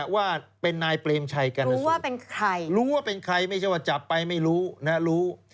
ว่าเป็นนายเปรมชัยกัณศูนย์รู้ว่าเป็นใครไม่ใช่ว่าจับไปไม่รู้